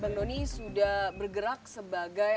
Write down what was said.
bang doni sudah bergerak sebagai